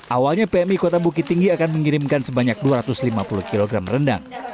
awalnya pmi kota bukit tinggi akan mengirimkan sebanyak dua ratus lima puluh kg rendang